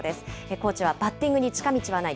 コーチはバッティングに近道はない。